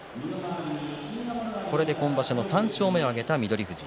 これで今場所の３勝目を挙げた翠富士。